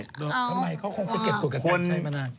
ทำไมเขาคงจะเก็บโคตรกับกันใช้มานาน